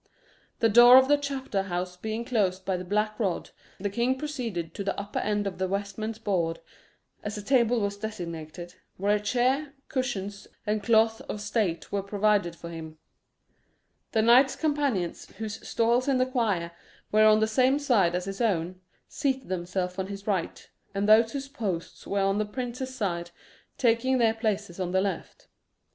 The door of the chapter house being closed by the black rod, the king proceeded to the upper end of the vestments board as the table was designated where a chair, cushions, and cloth of state were provided for him; the knights companions, whose stalls in the choir were on the same side as his own, seating themselves on his right, and those whose posts were on the prince's side taking their places on the left.